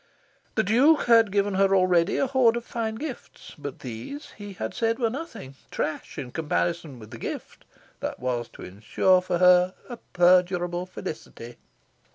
The Duke had given her already a horde of fine gifts; but these, he had said, were nothing trash in comparison with the gift that was to ensure for her a perdurable felicity.